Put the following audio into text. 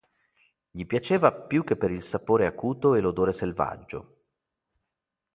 Gli piaceva, più che per il sapore acuto e l'odore selvaggio.